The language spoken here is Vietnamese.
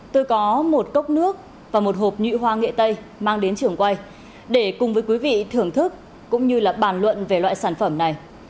tôi có một cốc nước và một hộp nhuy hoa nghệ tây mang đến trường quay để cùng với quý vị thưởng thức cũng như là bàn luận về loại sản phẩm này